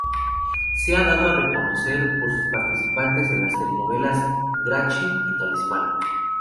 Se ha dado a reconocer por sus participaciones en las telenovelas "Grachi" y "Talismán".